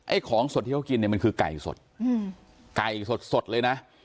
ของสดที่เขากินเนี่ยมันคือไก่สดอืมไก่สดสดเลยนะ